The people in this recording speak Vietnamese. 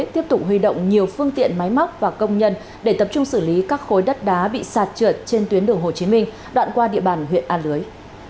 tiếp tục huy động nhiều phương tiện máy móc và công nhân để tập trung xử lý các khối đất đá bị sạt trượt trên tuyến đường hồ chí minh đoạn qua địa bàn huyện a lưới